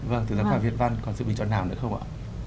vâng thì giám khảo việt văn còn sự bình chọn nào nữa không ạ